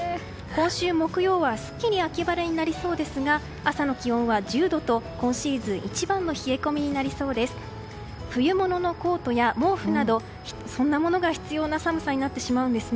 今週木曜はすっきり秋晴れになりそうですが朝の気温は１０度と今シーズン一番の冷え込みになりそうです。